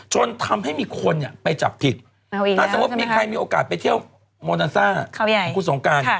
จนทำให้มีคนไปจับผิดถ้าสมมุติมีใครมีโอกาสไปเที่ยวโมนาซ่าของคุณสงการ